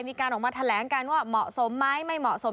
มีการออกมาแถลงกันว่าเหมาะสมไหมไม่เหมาะสม